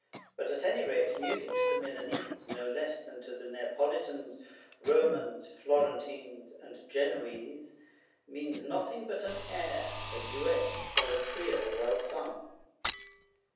But at any rate, music to the Milanese, no less than to the Neapolitans, Romans, Florentines, and Genoese, means nothing but an air, a duet, or a trio, well sung.